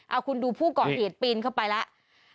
เอาคุณดูผู้ก่อเหตุปีนเข้าไปแล้ว